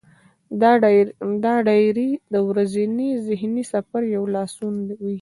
دا ډایري د ورځني ذهني سفر یو لاسوند وي.